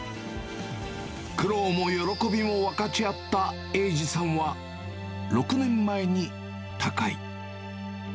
苦労も喜びも分かち合った栄司さんは、６年前に他界。